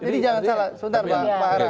jadi jangan salah sebentar bang